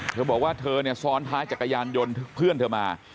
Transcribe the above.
เธอบอกว่าเธอเนี่ยซ้อนท้ายจักรยานยนต์เพื่อนเธอมา